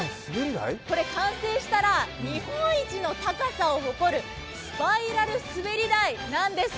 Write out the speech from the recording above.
これ完成したら日本一の高さを誇るスパイラル滑り台なんです。